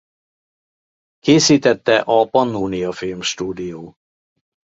Készítette a Pannónia Filmstúdió.